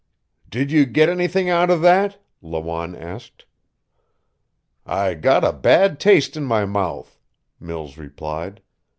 "Did you get anything out of that?" Lawanne asked. "I got a bad taste in my mouth," Mills replied.